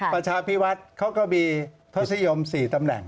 ปัชภิวัศตร์เขาก็มีทศิยมสี่ตำแหน่ง